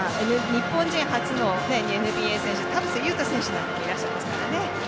日本人初のＮＢＡ選手田臥勇太選手などもいますからね。